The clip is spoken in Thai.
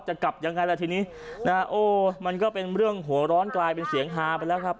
จะกลับยังไงล่ะทีนี้นะฮะโอ้มันก็เป็นเรื่องหัวร้อนกลายเป็นเสียงฮาไปแล้วครับ